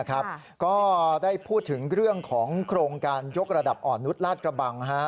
ก็ได้พูดถึงเรื่องของโครงการยกระดับอ่อนนุษย์ลาดกระบัง